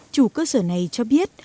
chủ cơ sở này cho biết